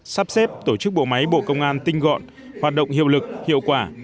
sắp xếp tổ chức bộ máy bộ công an tinh gọn hoạt động hiệu lực hiệu quả